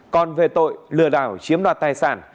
còn về tội lừa đảo chiếm đoạt tài sản